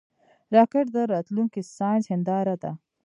راکټ د راتلونکي ساینس هنداره ده